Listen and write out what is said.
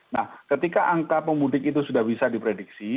nah ketika angka pemudik itu sudah bisa diprediksi